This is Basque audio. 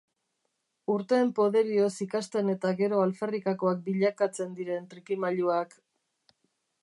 Urteen poderioz ikasten eta gero alferrikakoak bilakatzen diren trikimailuak...